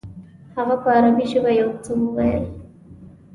هغه په عربي ژبه یو څه وویل.